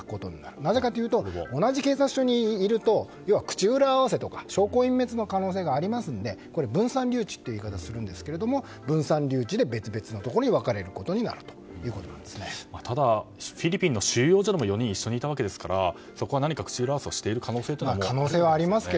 なぜかというと同じ警察署にいると口裏合わせとか可能性がありますので分散留置という言い方をしますが別々のところに分かれることになるただ、フィリピンの収容所でも４人一緒にいたわけですからそこで何か口裏合わせをしている可能性はありますか？